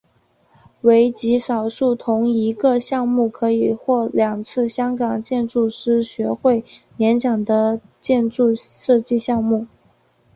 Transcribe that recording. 为极少数同一个项目可以获两次香港建筑师学会年奖的建筑设计项目。